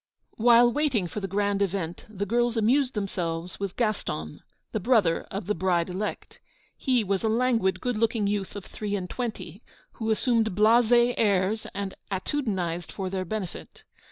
While waiting for the grand event, the girls amused themselves with Gaston, the brother of the bride elect. He was a languid, good looking youth of three and twenty, who assumed blasé airs and attitudinized for their benefit.